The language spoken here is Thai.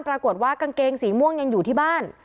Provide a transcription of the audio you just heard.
ปรากฏว่ากางเกงสีม่วงยังอยู่ที่บ้าน